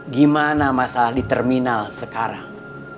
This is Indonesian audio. gimana masalah di terminal sekarang